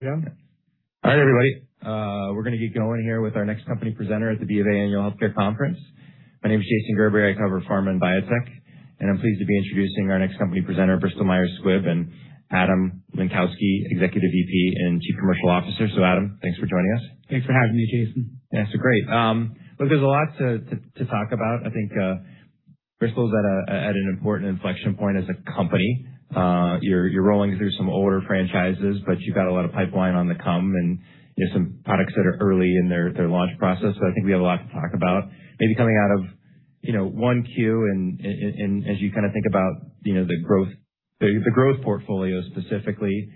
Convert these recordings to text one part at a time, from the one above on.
All right, everybody. We're gonna get going here with our next company presenter at the BofA Annual Healthcare Conference. My name is Jason Gerberry. I cover pharma and biotech, I'm pleased to be introducing our next company presenter, Bristol-Myers Squibb, and Adam Lenkowsky, Executive VP and Chief Commercialization Officer. Adam, thanks for joining us. Thanks for having me, Jason. Great. Look, there's a lot to talk about. I think, Bristol is at an important inflection point as a company. You're rolling through some older franchises, but you've got a lot of pipeline on the come and, you know, some products that are early in their launch process. I think we have a lot to talk about. Maybe coming out of, you know, 1Q and as you kinda think about, you know, the growth, the growth portfolio specifically,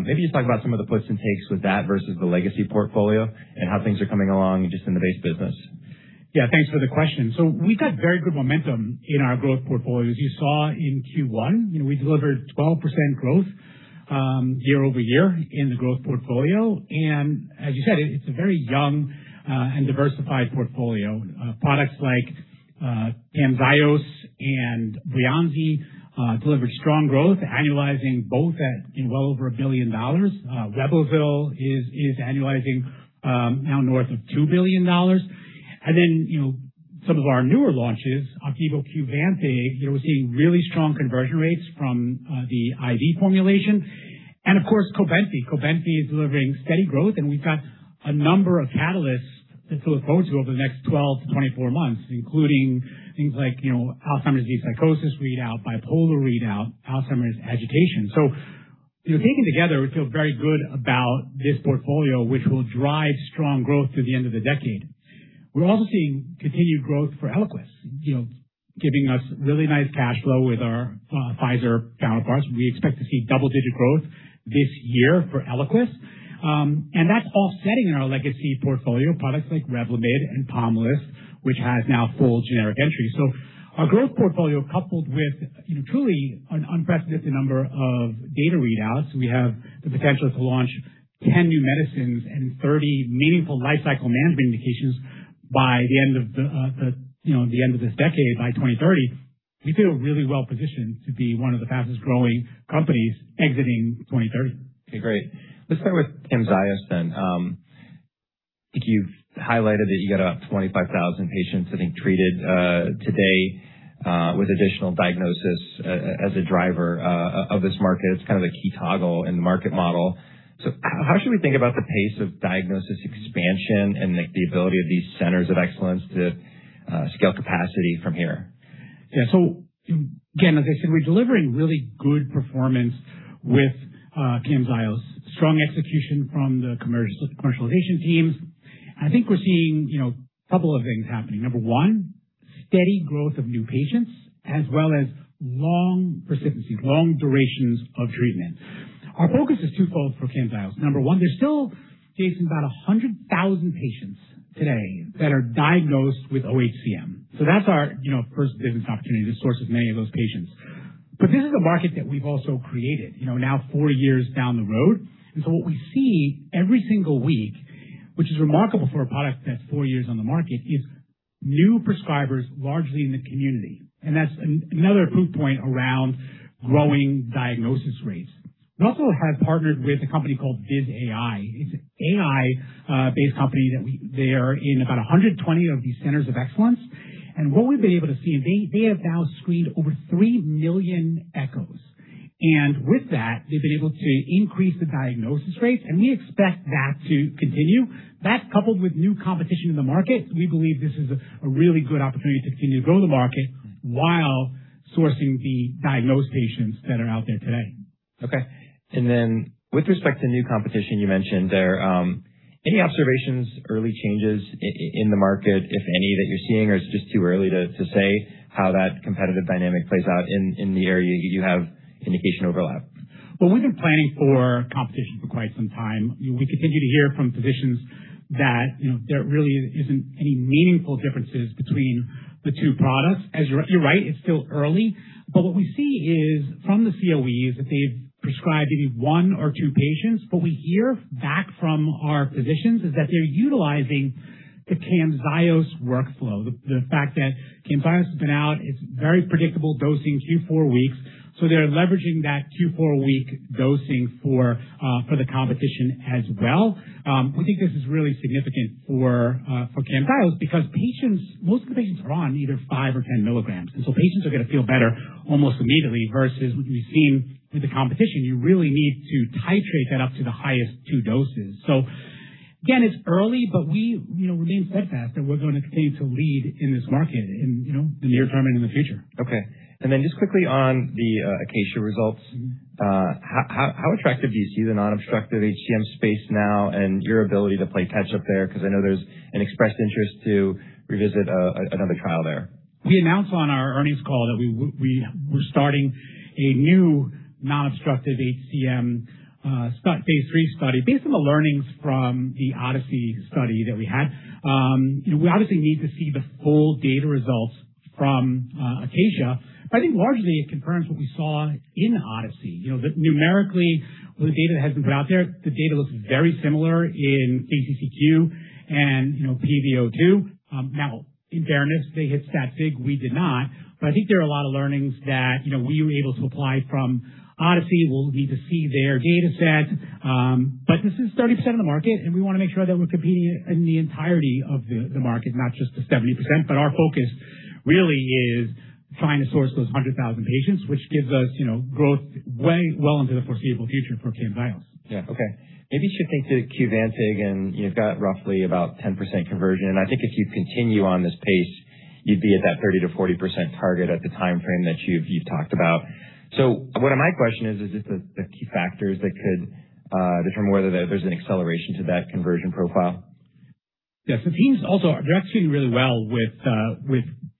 maybe just talk about some of the puts and takes with that versus the legacy portfolio and how things are coming along just in the base business. Thanks for the question. We've got very good momentum in our growth portfolio. As you saw in Q1, you know, we delivered 12% growth year-over-year in the growth portfolio. As you said, it's a very young and diversified portfolio. Products like CAMZYOS and Reblozyl delivered strong growth, annualizing both at, you know, well over $1 billion. Breyanzi is annualizing now north of $2 billion. You know, some of our newer launches, Opdivo Qvantig, you know, we're seeing really strong conversion rates from the IV formulation. Of course, KRAZATI. KRAZATI is delivering steady growth, and we've got a number of catalysts to look forward to over the next 12-24 months, including things like, you know, Alzheimer's disease psychosis readout, bipolar readout, Alzheimer's agitation. You know, taken together, we feel very good about this portfolio, which will drive strong growth through the end of the decade. We're also seeing continued growth for ELIQUIS, you know, giving us really nice cash flow with our Pfizer counterparts. We expect to see double-digit growth this year for ELIQUIS. That's offsetting our legacy portfolio products like REVLIMID and POMALYST, which has now full generic entry. Our growth portfolio coupled with, you know, truly an unprecedented number of data readouts, we have the potential to launch 10 new medicines and 30 meaningful lifecycle management indications by the end of this decade by 2030. We feel really well-positioned to be one of the fastest-growing companies exiting 2030. Okay, great. Let's start with CAMZYOS. I think you've highlighted that you got 25,000 patients, I think, treated today with additional diagnosis as a driver of this market. It's kind of the key toggle in the market model. How should we think about the pace of diagnosis expansion and like the ability of these Centers of Excellence to scale capacity from here? Again, as I said, we're delivering really good performance with CAMZYOS. Strong execution from the commercialization teams. I think we're seeing, you know, a couple of things happening. Number one, steady growth of new patients as well as long persistencies, long durations of treatment. Our focus is two-fold for CAMZYOS. Number one, there's still, Jason, about 100,000 patients today that are diagnosed with OHCM. That's our, you know, first business opportunity to source as many of those patients. This is a market that we've also created, you know, now four years down the road. What we see every single week, which is remarkable for a product that's four years on the market, is new prescribers largely in the community. That's another proof point around growing diagnosis rates. We also have partnered with a company called Viz.ai. It's an AI based company they are in about 120 of these centers of excellence. What we've been able to see, they have now screened over 3 million echoes. With that, they've been able to increase the diagnosis rates, and we expect that to continue. That's coupled with new competition in the market. We believe this is a really good opportunity to continue to grow the market while sourcing the diagnosed patients that are out there today. Okay. With respect to new competition, you mentioned there, any observations, early changes in the market, if any, that you're seeing? Is it just too early to say how that competitive dynamic plays out in the area you have indication overlap? Well, we've been planning for competition for quite some time. We continue to hear from physicians that, you know, there really isn't any meaningful differences between the two products. As you're right, it's still early. What we see is from the COEs that they've prescribed maybe one or two patients. What we hear back from our physicians is that they're utilizing the CAMZYOS workflow. The fact that CAMZYOS has been out, it's very predictable dosing, Q4 weeks. They're leveraging that Q4-week dosing for the competition as well. We think this is really significant for CAMZYOS because most of the patients are on either five or 10 mg, patients are gonna feel better almost immediately versus what we've seen with the competition. You really need to titrate that up to the highest two doses. Again, it's early, but we, you know, remain steadfast that we're gonna continue to lead in this market and, you know, in the near term and in the future. Okay. Then just quickly on the ACACIA-HCM results. How attractive do you see the non-obstructive HCM space now and your ability to play catch up there? 'Cause I know there's an expressed interest to revisit, another trial there. We announced on our earnings call that we're starting a new non-obstructive HCM phase III study based on the learnings from the ODYSSEY study that we had. We obviously need to see the full data results from ACACIA-HCM. I think largely it confirms what we saw in ODYSSEY. You know, numerically, the data that has been put out there, the data looks very similar in KCCQ and, you know, pVO2. Now in fairness, they hit stat sig. We did not. I think there are a lot of learnings that, you know, we were able to apply from ODYSSEY. We'll need to see their data set. This is 30% of the market, and we want to make sure that we're competing in the entirety of the market, not just the 70%. Our focus really is trying to source those 100,000 patients, which gives us, you know, growth way well into the foreseeable future for CAMZYOS. Yeah. Okay. Maybe shifting to Qvantig, you've got roughly about 10% conversion. I think if you continue on this pace, you'd be at that 30%-40% target at the timeframe that you've talked about. What my question is just the key factors that could determine whether there's an acceleration to that conversion profile. Yes. The team's actually doing really well with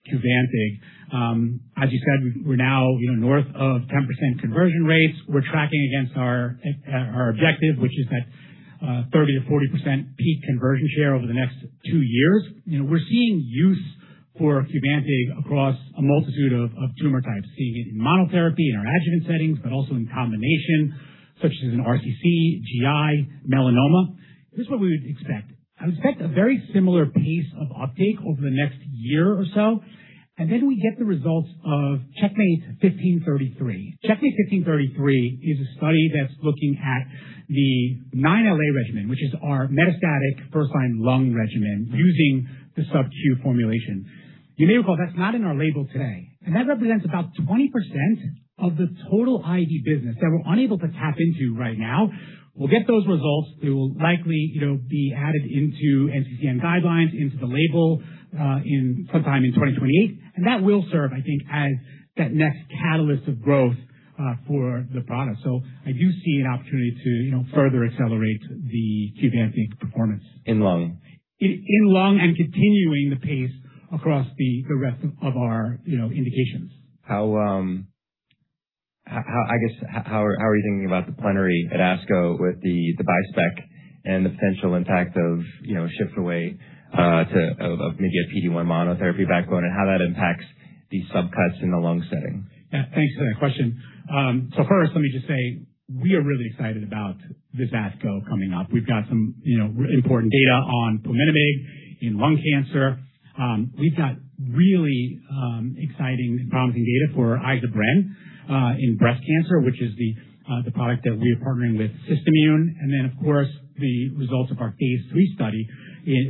Qvantig. As you said, we're now, you know, north of 10% conversion rates. We're tracking against our objective, which is that 30%-40% peak conversion share over the next two years. You know, we're seeing use for Qvantig across a multitude of tumor types, seeing it in monotherapy, in our adjuvant settings, but also in combination, such as in RCC, GI, melanoma. This is what we would expect. I would expect a very similar pace of uptake over the next year or so. Then we get the results of Checkmate 1533. Checkmate 1533 is a study that's looking at the 9LA regimen, which is our metastatic first-line lung regimen using the sub-Q formulation. You may recall that's not in our label today. That represents about 20% of the total IV business that we're unable to tap into right now. We'll get those results. They will likely, you know, be added into NCCN guidelines into the label in sometime in 2028. That will serve, I think, as that next catalyst of growth for the product. I do see an opportunity to, you know, further accelerate the Qvantig performance. In lung. In lung and continuing the pace across the rest of our, you know, indications. How are you thinking about the plenary at ASCO with the bispec and the potential impact of, you know, shift away to maybe a PD-1 monotherapy backbone and how that impacts the subcuts in the lung setting? Thanks for that question. First, let me just say we are really excited about this ASCO coming up. We've got some, you know, important data on Pemigatinib in lung cancer. We've got really exciting and promising data for iza-bren in breast cancer, which is the product that we are partnering with SystImmune. Of course, the results of our phase III study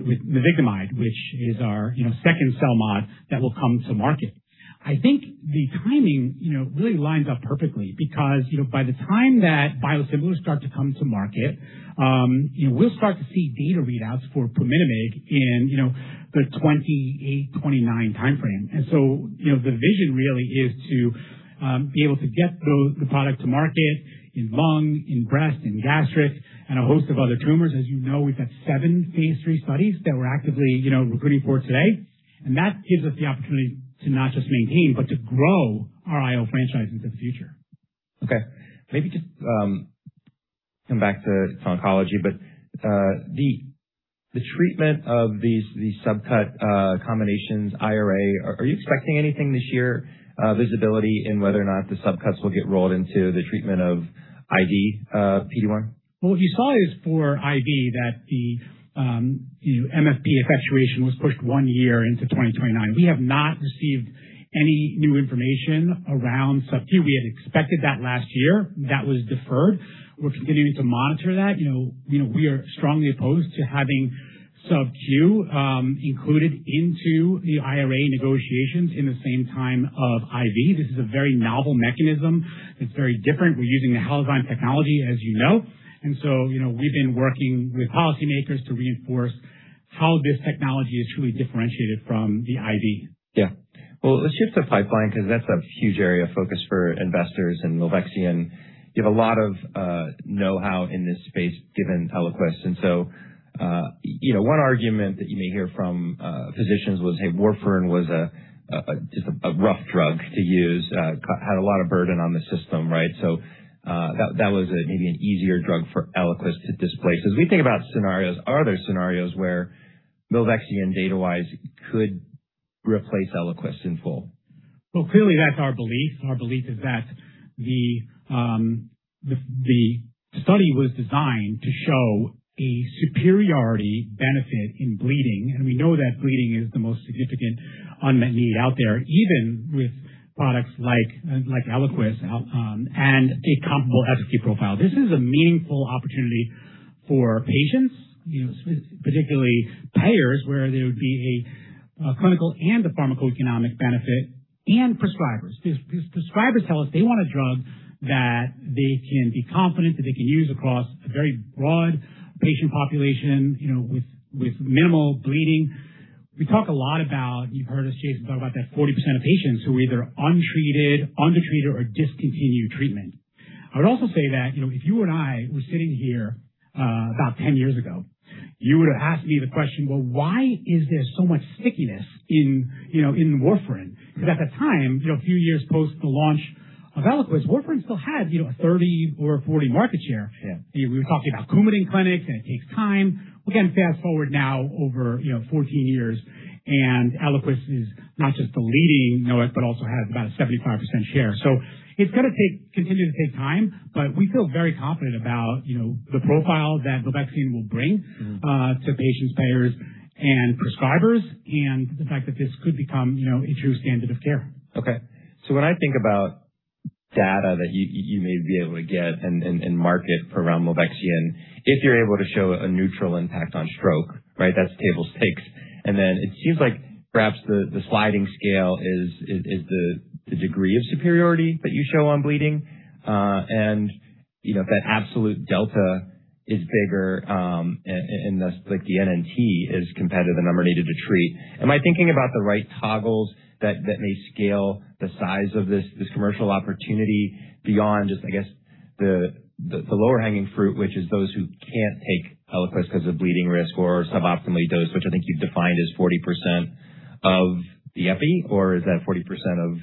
with mezigdomide, which is our, you know, second CELMoD that will come to market. I think the timing, you know, really lines up perfectly because, you know, by the time that biosimilars start to come to market, you know, we'll start to see data readouts for Pemigatinib in, you know, the 2028, 2029 timeframe. You know, the vision really is to be able to get the product to market in lung, in breast, in gastric and a host of other tumors. As you know, we've got seven phase III studies that we're actively, you know, recruiting for today, and that gives us the opportunity to not just maintain, but to grow our IO franchise into the future. Okay, maybe just come back to oncology, but the treatment of these subcut combinations, IRA, are you expecting anything this year, visibility in whether or not the subcuts will get rolled into the treatment of IV PD-1? What you saw is for IV, that the, you know, MFP effectuation was pushed 1 year into 2029. We have not received any new information around sub-Q. We had expected that last year. That was deferred. We're continuing to monitor that. You know, you know, we are strongly opposed to having sub-Q included into the IRA negotiations in the same time of IV. This is a very novel mechanism. It's very different. We're using the Halozyme technology, as you know. You know, we've been working with policymakers to reinforce how this technology is truly differentiated from the IV. Well, let's shift to pipeline because that's a huge area of focus for investors in milvexian. You have a lot of know-how in this space, given Eliquis. So, you know, one argument that you may hear from physicians was, hey, warfarin was a just a rough drug to use, had a lot of burden on the system, right? That was a maybe an easier drug for Eliquis to displace. As we think about scenarios, are there scenarios where Milvexian, data-wise, could replace Eliquis in full? Well, clearly, that's our belief. Our belief is that the study was designed to show a superiority benefit in bleeding, and we know that bleeding is the most significant unmet need out there, even with products like Eliquis, and a comparable SQ profile. This is a meaningful opportunity for patients, you know, particularly payers, where there would be a clinical and a pharmacoeconomic benefit and prescribers. Prescribers tell us they want a drug that they can be confident that they can use across a very broad patient population, you know, with minimal bleeding. We talk a lot about-- you've heard us, Jason, talk about that 40% of patients who are either untreated, undertreated or discontinued treatment. I would also say that, you know, if you and I were sitting here, about 10 years ago, you would have asked me the question, well, why is there so much stickiness in, you know, in warfarin? Because at the time, you know, a few years post the launch of Eliquis, warfarin still has, you know, a 30% or 40% market share. Yeah. We were talking about COUMADIN clinics, and it takes time. Again, fast-forward now over, you know, 14 years, ELIQUIS is not just the leading NOAC but also has about a 75% share. It's going to continue to take time, but we feel very confident about, you know, the profile that milvexian will bring to patients, payers, and prescribers, and the fact that this could become, you know, a true standard of care. When I think about data that you may be able to get and market around milvexian, if you're able to show a neutral impact on stroke, right? That's table stakes. It seems like perhaps the sliding scale is the degree of superiority that you show on bleeding. You know, if that absolute delta is bigger, and thus, like the NNT is competitive, the number needed to treat. Am I thinking about the right toggles that may scale the size of this commercial opportunity beyond just, I guess, the lower-hanging fruit, which is those who can't take ELIQUIS 'cause of bleeding risk or suboptimally dose, which I think you've defined as 40% of the epi, or is that 40% of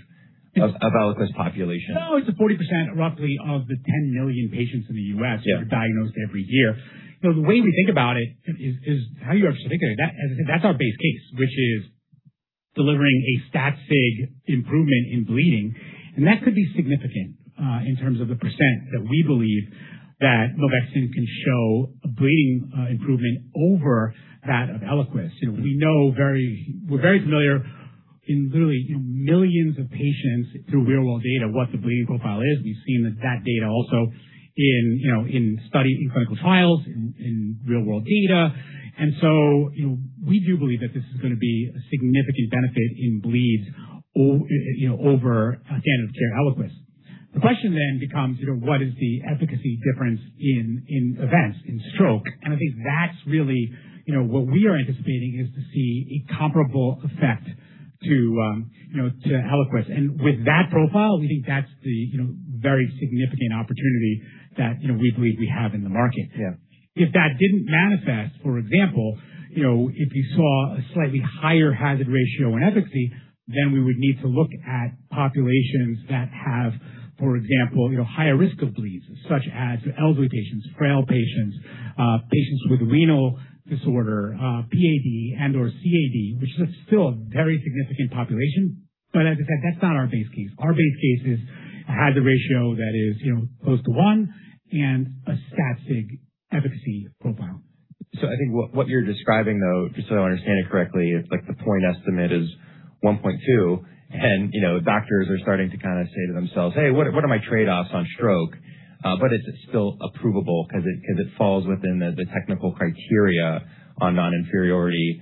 ELIQUIS population? No, it's the 40% roughly of the 10 million patients in the U.S. Yeah. -that are diagnosed every year. You know, the way we think about it is how you articulated. As I said, that's our base case, which is delivering a stat sig improvement in bleeding. That could be significant in terms of the percent that we believe that milvexian can show a bleeding improvement over that of ELIQUIS. You know, we're very familiar in literally millions of patients through real-world data what the bleeding profile is. We've seen that data also in study, in clinical trials, in real-world data. You know, we do believe that this is gonna be a significant benefit in bleeds, you know, over a standard of care ELIQUIS. The question then becomes, you know, what is the efficacy difference in events, in stroke? I think that's really, you know, what we are anticipating is to see a comparable effect to, you know, to Eliquis. With that profile, we think that's the, you know, very significant opportunity that, you know, we believe we have in the market. Yeah. If that didn't manifest, for example, you know, if you saw a slightly higher hazard ratio in efficacy, then we would need to look at populations that have, for example, you know, higher risk of bleeds, such as elderly patients, frail patients with renal disorder, PAD and/or CAD, which is a still very significant population. As I said, that's not our base case. Our base case is a hazard ratio that is, you know, close to one and a stat sig efficacy profile. I think what you're describing, though, just so I understand it correctly, is like the point estimate is 1.2. You know, doctors are starting to kind of say to themselves, hey, what are my trade-offs on stroke? But it's still approvable 'cause it falls within the technical criteria on non-inferiority.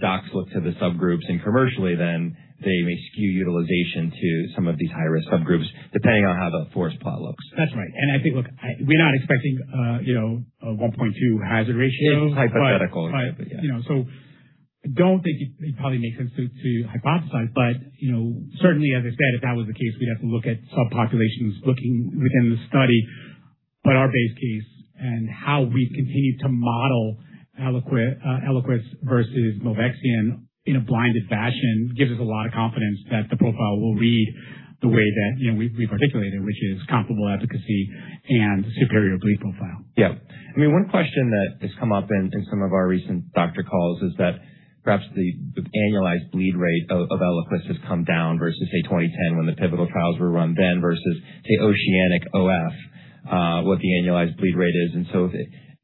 Docs look to the subgroups, and commercially then they may skew utilization to some of these high-risk subgroups, depending on how the force plot looks. That's right. I think, look, we're not expecting, you know, a 1.2 hazard ratio. It's hypothetical. You know, I don't think it probably makes sense to hypothesize. You know, certainly, as I said, if that was the case, we'd have to look at subpopulations looking within the study. Our base case and how we continue to model Eliquis versus milvexian in a blinded fashion gives us a lot of confidence that the profile will read the way that, you know, we've articulated, which is comparable efficacy and superior bleed profile. Yeah. I mean, one question that has come up in some of our recent doctor calls is that perhaps the annualized bleed rate of Eliquis has come down versus, say, 2010 when the pivotal trials were run then versus, say, OCEANIC-AF, what the annualized bleed rate is.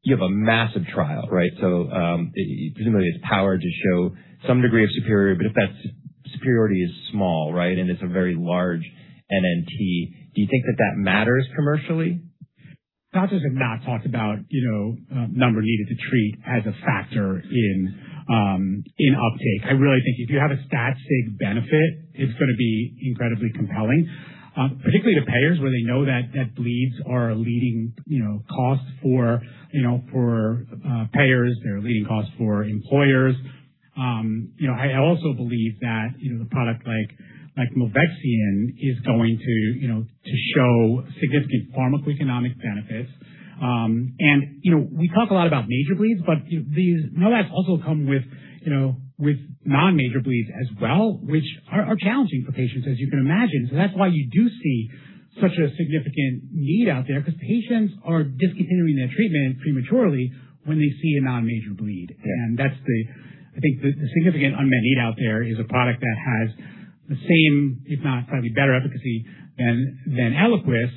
You have a massive trial, right? Presumably it's powered to show some degree of superiority. If that superiority is small, right, and it's a very large NNT, do you think that that matters commercially? Doctors have not talked about, you know, number needed to treat as a factor in uptake. I really think if you have a stat sig benefit, it's gonna be incredibly compelling, particularly to payers where they know that bleeds are a leading, you know, cost for, you know, for payers. They're a leading cost for employers. You know, I also believe that, you know, a product like milvexian is going to, you know, to show significant pharmacoeconomic benefits. You know, we talk a lot about major bleeds, but these NOACs also come with, you know, with non-major bleeds as well, which are challenging for patients, as you can imagine. That's why you do see such a significant need out there because patients are discontinuing their treatment prematurely when they see a non-major bleed. Yeah. That's I think the significant unmet need out there is a product that has the same, if not probably better efficacy than Eliquis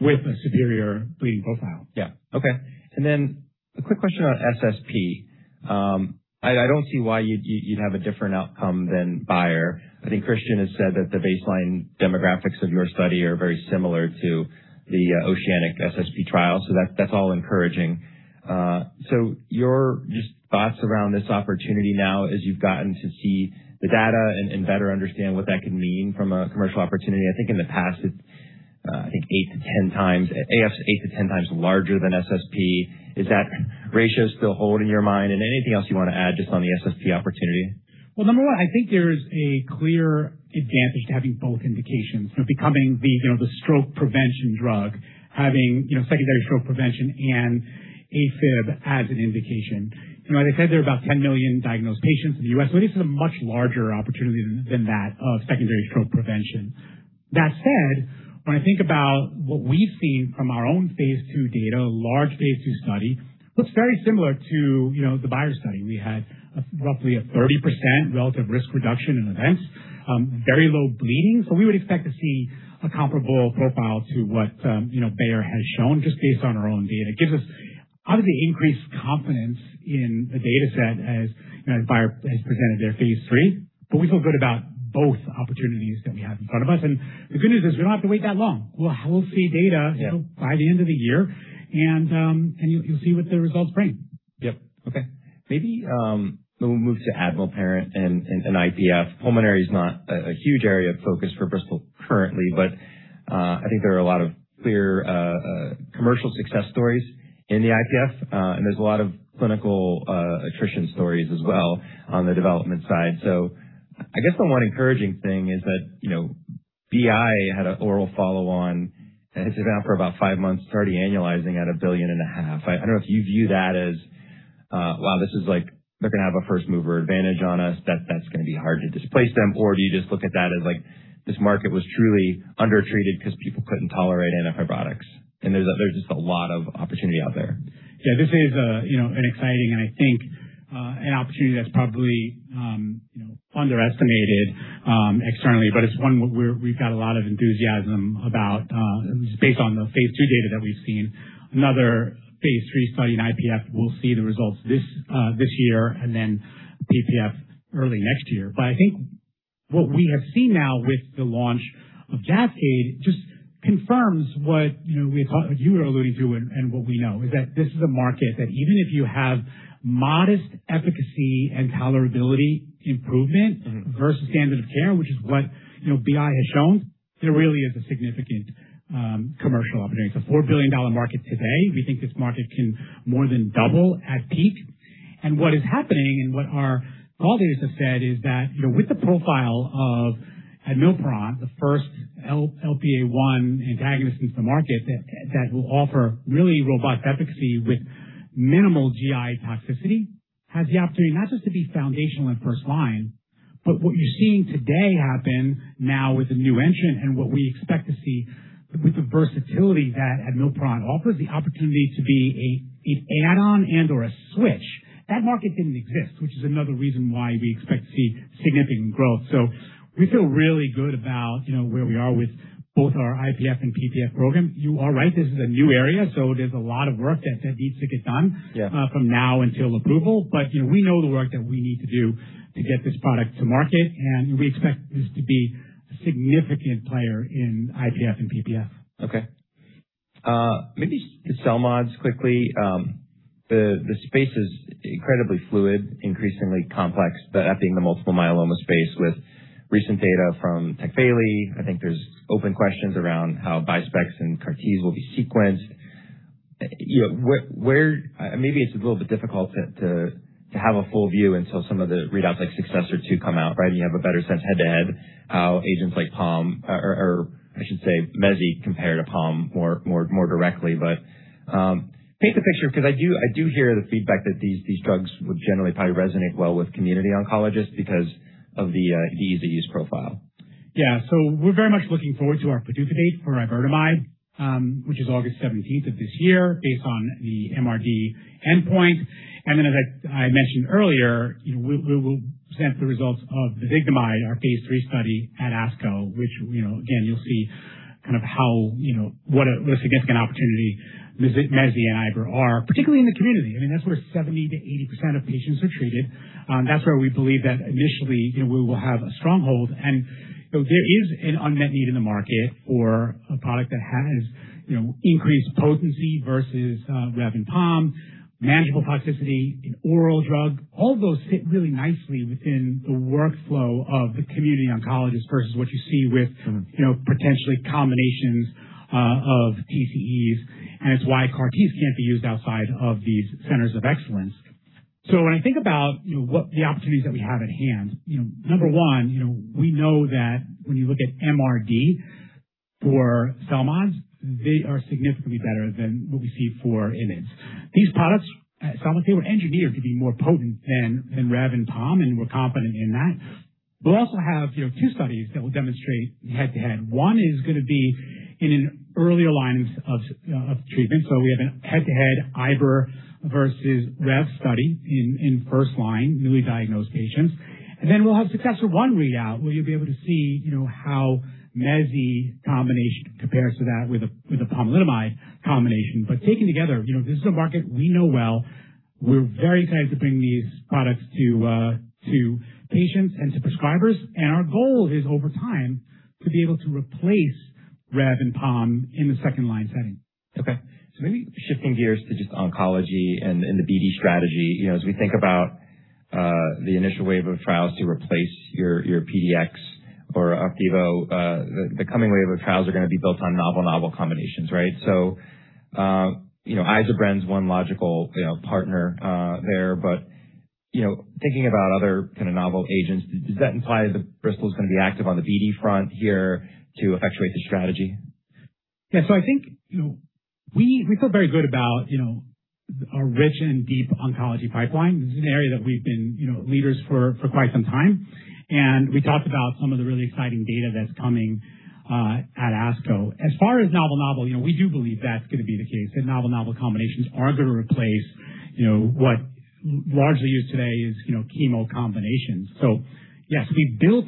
with a superior bleeding profile. Yeah. Okay. A quick question on SSP. I don't see why you'd have a different outcome than Bayer. I think Christian has said that the baseline demographics of your study are very similar to the OCEANIC-SSP trial, so that's all encouraging. Your just thoughts around this opportunity now as you've gotten to see the data and better understand what that can mean from a commercial opportunity. I think in the past, AF's eight to 10x larger than SSP. Is that ratio still hold in your mind? Anything else you wanna add just on the SSP opportunity? Number 1, I think there's a clear advantage to having both indications. You know, becoming the, you know, the stroke prevention drug, having, you know, Secondary Stroke Prevention and AFib as an indication. As I said, there are about 10 million diagnosed patients in the U.S., so this is a much larger opportunity than that of Secondary Stroke Prevention. That said, when I think about what we've seen from our own phase II data, large phase II study looks very similar to, you know, the Bayer study. We had roughly a 30% relative risk reduction in events, very low bleeding. We would expect to see a comparable profile to what, you know, Bayer has shown just based on our own data. It gives us obviously increased confidence in the dataset as, you know, Bayer has presented their phase III. We feel good about both opportunities that we have in front of us. The good news is we don't have to wait that long. We'll see data. Yeah. -by the end of the year, and you'll see what the results bring. Yep. Okay. We'll move to Admilpart and IPF. Pulmonary is not a huge area of focus for Bristol currently, but I think there are a lot of clear commercial success stories in the IPF, and there's a lot of clinical attrition stories as well on the development side. I guess the one encouraging thing is that, you know, BI had a oral follow on. It's been out for about five months, it's already annualizing at a billion and a half. I don't know if you view that as, wow, this is like they're gonna have a first-mover advantage on us that's gonna be hard to displace them. Do you just look at that as like, this market was truly undertreated because people couldn't tolerate NF products and there's just a lot of opportunity out there? Yeah. This is, you know, an exciting and I think, an opportunity that's probably, you know, underestimated, externally. It's one where we've got a lot of enthusiasm about, at least based on the phase II data that we've seen. Another phase III study in IPF will see the results this year and then PPF early next year. I think what we have seen now with the launch of Jakade just confirms what, you know, we had talked, what you were alluding to and what we know, is that this is a market that even if you have modest efficacy and tolerability improvement. -versus standard of care, which is what, you know, BI has shown, there really is a significant commercial opportunity. It's a $4 billion market today. We think this market can more than double at peak. What is happening and what our colleagues have said is that, you know, with the profile of admilparant, the first LPA1 antagonist into the market that will offer really robust efficacy with minimal GI toxicity, has the opportunity not just to be foundational and first-line, but what you're seeing today happen now with a new entrant and what we expect to see with the versatility that admilparant offers the opportunity to be an add-on and/or a switch. That market didn't exist, which is another reason why we expect to see significant growth. We feel really good about, you know, where we are with both our IPF and PPF program. You are right, this is a new area, so there's a lot of work that needs to get done. Yeah. From now until approval. You know, we know the work that we need to do to get this product to market, and we expect this to be a significant player in IPF and PPF. Okay. maybe to CELMoDs quickly. The space is incredibly fluid, increasingly complex, that being the multiple myeloma space with recent data from Tecvayli. I think there's open questions around how BiSpX and CAR Ts will be sequenced. You know, Maybe it's a little bit difficult to have a full view until some of the readouts like SUCCESSOR-2 come out, right, and you have a better sense head to head how agents like pomalidomide or I should say mezigdomide compare to pomalidomide more directly. Paint the picture because I do hear the feedback that these drugs would generally probably resonate well with community oncologists because of the ease of use profile. Yeah. We're very much looking forward to our PDUFA date for iberdomide, which is August 17th of this year based on the MRD endpoint. As I mentioned earlier, you know, we will present the results of the vivigamibe, our phase III study at ASCO, which, you know, again, you'll see kind of how, you know, what a, what a significant opportunity mezigdomide and iberdomide are, particularly in the community. I mean, that's where 70%-80% of patients are treated. That's where we believe that initially, you know, we will have a stronghold. You know, there is an unmet need in the market for a product that has, you know, increased potency versus Rev and POM, manageable toxicity, an oral drug. All those sit really nicely within the workflow of the community oncologist. You know, potentially combinations of TCEs. It's why CAR Ts can't be used outside of these Centers of Excellence. When I think about, you know, what the opportunities that we have at hand, you know, number one, you know, we know that when you look at MRD for CELMoDs, they are significantly better than what we see for IMiDs. These products, it's almost they were engineered to be more potent than REVLIMID and POMALYST, and we're confident in that. We'll also have, you know, two studies that will demonstrate head to head. 1 is gonna be in an earlier line of treatment. We have a head to head iberdomide versus REVLIMID study in first line, newly diagnosed patients. We'll have SUCCESSOR-1 readout, where you'll be able to see, you know, how Mezi combination compares to that with a pomalidomide combination. Taken together, you know, this is a market we know well. We're very excited to bring these products to patients and to prescribers. Our goal is over time to be able to replace REV and POM in the second line setting. Okay. Maybe shifting gears to just oncology and the BD strategy. You know, as we think about the initial wave of trials to replace your PD-1 or Opdivo, the coming wave of trials are gonna be built on novel combinations, right? You know, Isobran's one logical, you know, partner there. You know, thinking about other kind of novel agents, does that imply that Bristol is gonna be active on the BD front here to effectuate the strategy? I think, you know, we feel very good about, you know, our rich and deep oncology pipeline. This is an area that we've been, you know, leaders for quite some time, and we talked about some of the really exciting data that's coming at ASCO. As far as novel, you know, we do believe that's gonna be the case, that novel combinations are gonna replace, you know, what largely used today is, you know, chemo combinations. Yes, we built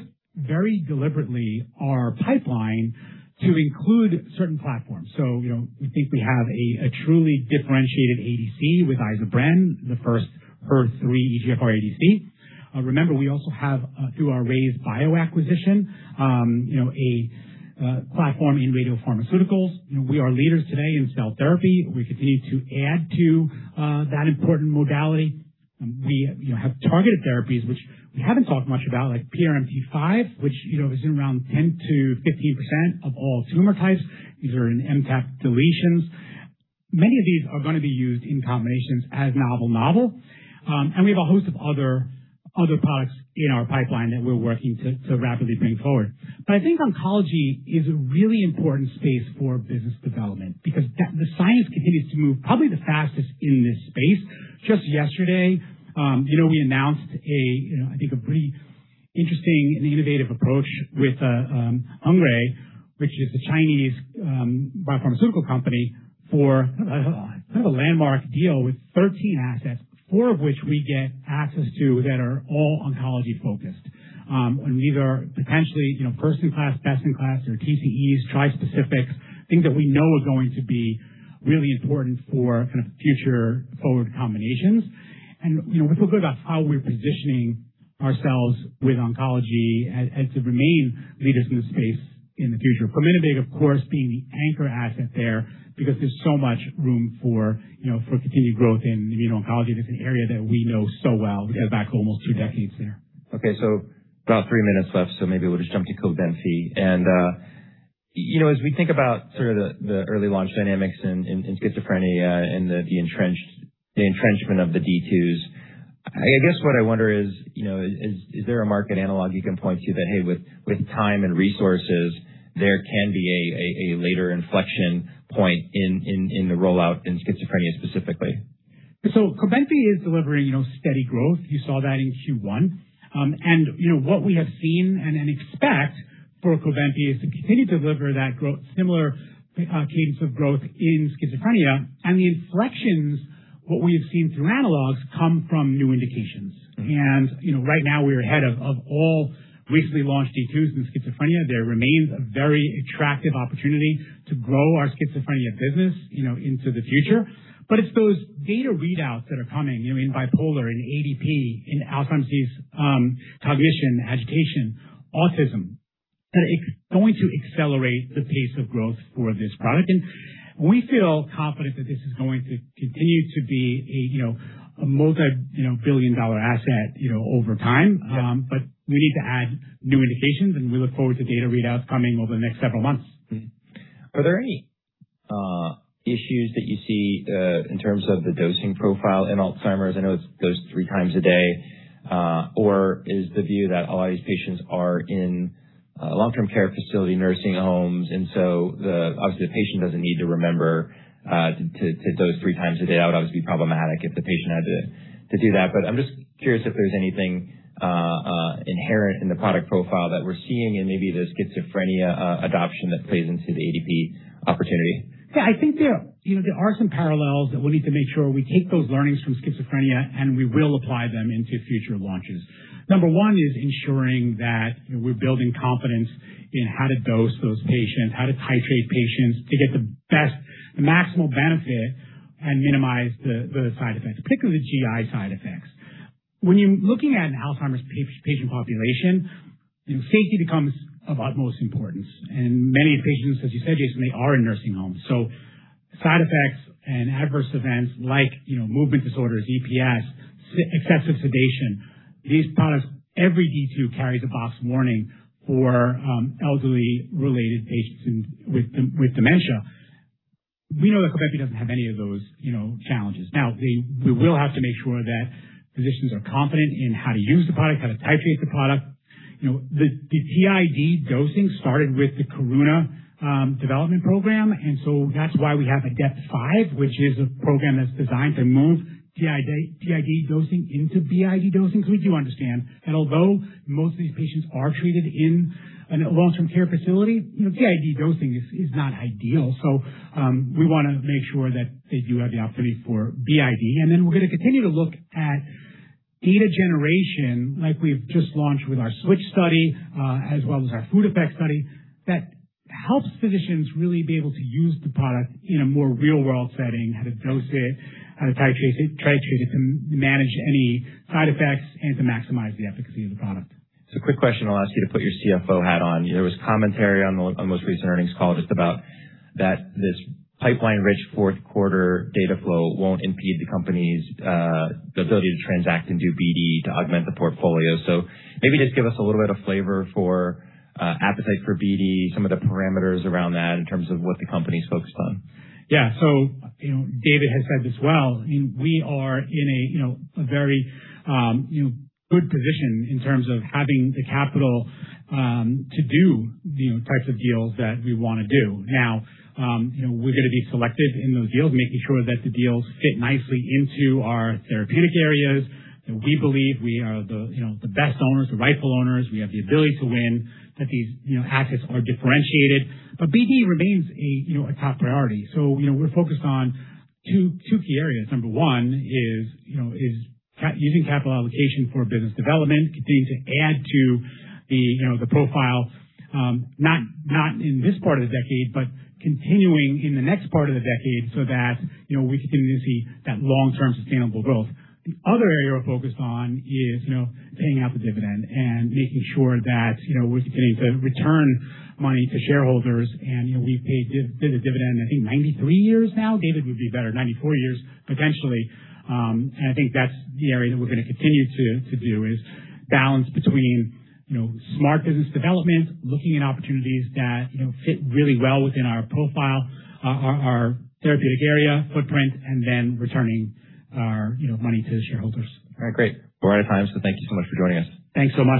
very deliberately our pipeline to include certain platforms. You know, we think we have a truly differentiated ADC with iza-bren, the first HER3 EGFR ADC. Remember, we also have through our RayzeBio acquisition, you know, a platform in radiopharmaceuticals. You know, we are leaders today in cell therapy. We continue to add to that important modality. We, you know, have targeted therapies which we haven't talked much about, like PRMT5, which, you know, is in around 10%-15% of all tumor types. These are in MTAP deletions. Many of these are gonna be used in combinations as novel. We have a host of other products in our pipeline that we're working to rapidly bring forward. I think oncology is a really important space for business development because the science continues to move probably the fastest in this space. Just yesterday, you know, we announced a, you know, I think a pretty interesting and innovative approach with Hengrui Pharma, which is a Chinese biopharmaceutical company for kind of a landmark deal with 13 assets, four of which we get access to that are all oncology focused. These are potentially, you know, first in class, best in class. They're TCEs, trispecifics, things that we know are going to be really important for kind of future forward combinations. You know, we feel good about how we're positioning ourselves with oncology and to remain leaders in this space in the future. Peminabig, of course, being the anchor asset there because there's so much room for, you know, for continued growth in immuno-oncology. This is an area that we know so well. We go back almost two decades there. About three minutes left, maybe we'll just jump to KRAZATI. You know, as we think about sort of the early launch dynamics in schizophrenia and the entrenchment of the D2, I guess what I wonder is, you know, is there a market analog you can point to that, hey, with time and resources, there can be a later inflection point in the rollout in schizophrenia specifically? Cobenfy is delivering, you know, steady growth. You saw that in Q1. You know, what we have seen and then expect for Cobenfy is to continue to deliver that growth similar cadence of growth in schizophrenia. The inflections, what we have seen through analogs come from new indications. You know, right now we're ahead of all recently launched D2s in schizophrenia. There remains a very attractive opportunity to grow our schizophrenia business, you know, into the future. It's those data readouts that are coming, you know, in bipolar, in ADP, in Alzheimer's disease, cognition, agitation, autism, that it's going to accelerate the pace of growth for this product. We feel confident that this is going to continue to be a multi-billion-dollar asset, you know, over time. We need to add new indications, and we look forward to data readouts coming over the next several months. Are there any issues that you see in terms of the dosing profile in Alzheimer's? I know it's dosed 3x a day. Or is the view that a lot of these patients are in long-term care facility nursing homes, so obviously, the patient doesn't need to remember to dose 3x a day. That would obviously be problematic if the patient had to do that. I'm just curious if there's anything inherent in the product profile that we're seeing in maybe the schizophrenia adoption that plays into the ADP opportunity. Yeah, I think, you know, there are some parallels that we'll need to make sure we take those learnings from schizophrenia, and we will apply them into future launches. Number one is ensuring that we're building confidence in how to dose those patients, how to titrate patients to get the maximal benefit and minimize the side effects, particularly the GI side effects. When you're looking at an Alzheimer's patient population, you know, safety becomes of utmost importance. Many patients, as you said, Jason, they are in nursing homes. Side effects and adverse events like, you know, movement disorders, EPS, excessive sedation. These products, every D2 carries a box warning for elderly related patients with dementia. We know that Cobenfy doesn't have any of those, you know, challenges. We will have to make sure that physicians are confident in how to use the product, how to titrate the product. You know, the TID dosing started with the Karuna development program. That's why we have ADEPT-5, which is a program that's designed to move TID dosing into BID dosing because we do understand. Although most of these patients are treated in a long-term care facility, you know, TID dosing is not ideal. We want to make sure that they do have the opportunity for BID. We're gonna continue to look at data generation like we've just launched with our switch study, as well as our food effect study, that helps physicians really be able to use the product in a more real-world setting, how to dose it, how to titrate it, titrate it to manage any side effects and to maximize the efficacy of the product. Quick question. I'll ask you to put your CFO hat on. There was commentary on the most recent earnings call just about that this pipeline-rich fourth quarter data flow won't impede the company's the ability to transact and do BD to augment the portfolio. Maybe just give us a little bit of flavor for appetite for BD, some of the parameters around that in terms of what the company's focused on. Yeah. You know, David has said this well. I mean, we are in a, you know, a very, you know, good position in terms of having the capital to do the types of deals that we wanna do. Now, you know, we're gonna be selective in those deals, making sure that the deals fit nicely into our therapeutic areas. You know, we believe we are the, you know, the best owners, the rightful owners. We have the ability to win, that these, you know, assets are differentiated. BD remains a, you know, a top priority. You know, we're focused on two key areas. Number 1 is, you know, using capital allocation for business development, continuing to add to the, you know, the profile, not in this part of the decade, but continuing in the next part of the decade so that, you know, we continue to see that long-term sustainable growth. The other area we're focused on is, you know, paying out the dividend and making sure that, you know, we're continuing to return money to shareholders. You know, we've paid dividend, I think, 93 years now. David would be better, 94 years potentially. I think that's the area that we're gonna continue to do is balance between, you know, smart business development, looking at opportunities that, you know, fit really well within our profile, our therapeutic area footprint, and then returning our, you know, money to shareholders. All right, great. We're out of time, so thank you so much for joining us. Thanks so much.